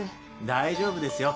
大丈夫ですよ。